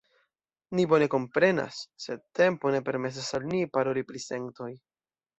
Ni bone komprenas, sed tempo ne permesas al ni paroli pri sentoj.